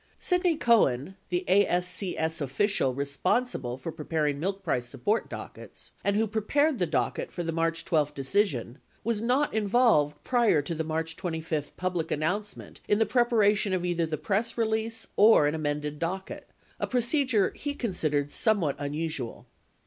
15 Sidney Cohen, the ASCS official responsible for preparing milk price support dockets and who prepared the docket for the March 12 decision, was not involved prior to the March 25 public announcement in the preparation of either the press release or an amended docket, a procedure he considered somewhat unusual.